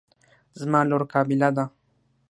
زما لور قابله ده.